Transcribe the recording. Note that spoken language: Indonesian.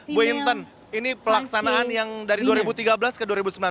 bu intan ini pelaksanaan yang dari dua ribu tiga belas ke dua ribu sembilan belas